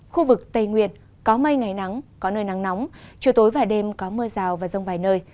khu vực tây nguyên có mây ngày nắng có nơi nắng nóng chiều tối và đêm có mưa rào và rông vài nơi